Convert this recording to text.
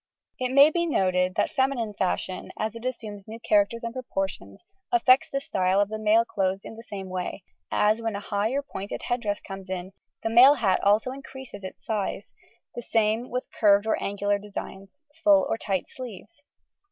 It may be noted that feminine fashion, as it assumes new characters and proportions, affects the style of the male clothes in the same way, as, when a high or pointed head dress comes in, the male hat also increases its size; the same with curved or angular designs, full or tight sleeves.